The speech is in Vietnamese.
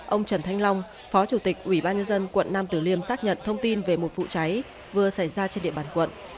ông trần thanh long phó chủ tịch ủy ban nhân dân quận nam tử liêm xác nhận thông tin về một vụ cháy vừa xảy ra trên địa bàn quận